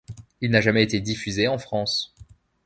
Il n'a jamais été diffusé en France.